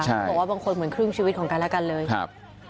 บอกว่าบางคนเหมือนครึ่งชีวิตของกันและกันเลยครับ